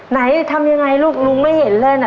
ไหนทำยังไงลูกลุงไม่เห็นเลยนะ